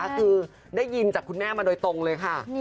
คือได้ยินจากคุณแม่มาโดยตรงเลยค่ะ